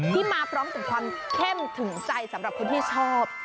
มาพร้อมกับความเข้มถึงใจสำหรับคนที่ชอบ